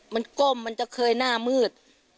มันก้มมันจะเคยหน้ามืด